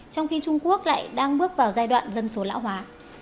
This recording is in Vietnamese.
trong khi trung quốc lại đang bước vào giai đoạn dân số lão hóa